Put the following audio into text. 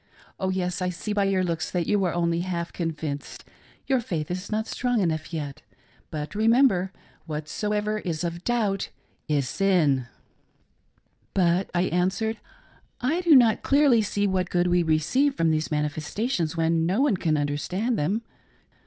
" Oh, yes, I see by your looks that you are only half convinced ; your faith is not strong enough yet ; but remember, whatsoever is of doubt is sin .'" 70 ELDER STENHOUSe's FRENCH LESSONS. "But," I answered, "I do not see clearly what good we receive from these manifestations when no one can under stand them."